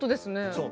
そう。